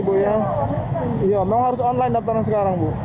memang harus online daptarnya sekarang bu